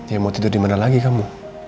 ya mau tidur dimana lagi kamu